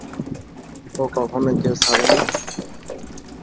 ও কখনই কেস হারেনি?